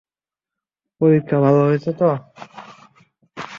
পরীক্ষা ভালো হয়েছে তো?